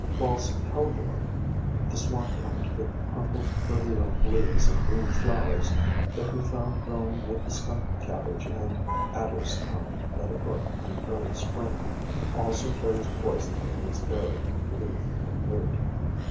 False Hellebore, the swamp plant with crumpled lily like leaves and green flowers, that we found growing with the Skunk Cabbage and Adder's POISONOUS PLANTS l8l Tongue by the brook in early Spring, also carries poison in its berry, leaf, and root.